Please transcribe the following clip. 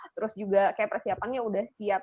terus juga kayak persiapannya udah siap